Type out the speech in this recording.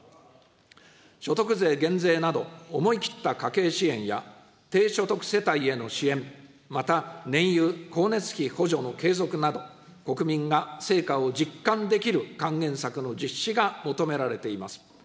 所得税減税など、思い切った家計支援や、低所得世帯への支援、また燃油、光熱費補助の継続など、国民が成果を実感できる還元策の実施が求められています。